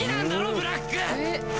ブラック！